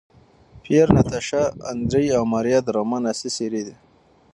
پییر، ناتاشا، اندرې او ماریا د رومان اصلي څېرې دي.